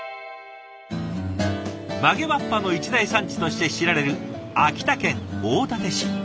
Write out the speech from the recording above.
曲げわっぱの一大産地として知られる秋田県大館市。